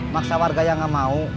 maksa warga yang nggak mau